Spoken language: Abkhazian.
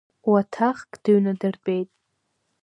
Уаҭахк дыҩнадыртәеит.